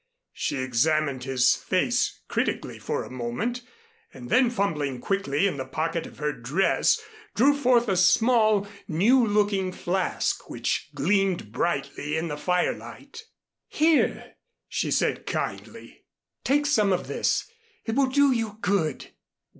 She examined his face critically for a moment, and then fumbling quickly in the pocket of her dress drew forth a small, new looking flask, which gleamed brightly in the firelight. "Here," she said kindly, "take some of this, it will do you good."